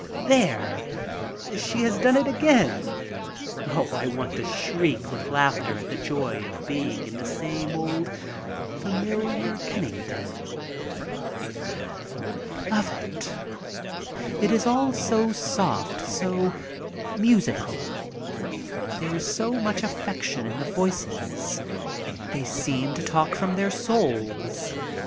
There, she has done it again. I want to shriek with laughter at the joy of being in this same old familiar Kennington. I love it. • It is all so soft, so musical; there is so much affection in the voices. They seem to talk from their souls.